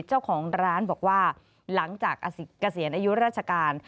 เจ้าของร้านบอกว่าหลังจากเกษียณอายุราชการ